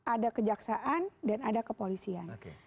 ada kejaksaan dan ada kepolisian